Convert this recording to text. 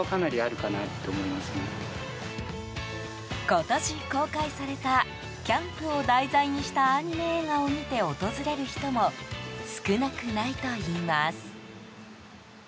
今年公開されたキャンプを題材にしたアニメ映画を見て訪れる人も少なくないといいます。